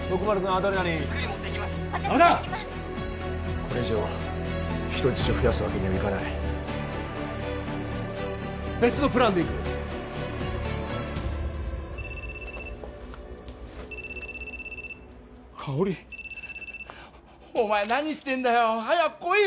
これ以上人質を増やすわけにはいかない別のプランでいく香織お前何してんだよ早く来いよ